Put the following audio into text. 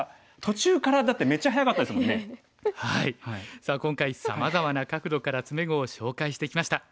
さあ今回さまざまな角度から詰碁を紹介してきました。